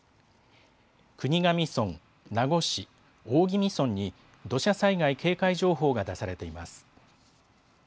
国頭村、名護市、大宜味村に土砂災害警戒情報が出されています。